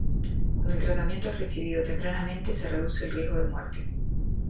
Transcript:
Cuando el tratamiento es recibido tempranamente se reduce el riesgo de muerte.